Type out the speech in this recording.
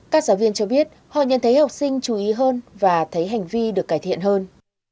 các giáo viên cho biết họ nhận thấy học sinh chú ý hơn và thấy hành vi được cải thiện hơn